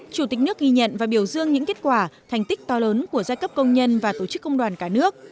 chủ tịch nước ghi nhận và biểu dương những kết quả thành tích to lớn của giai cấp công nhân và tổ chức công đoàn cả nước